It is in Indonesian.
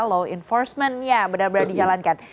law enforcement ya benar benar dijalankan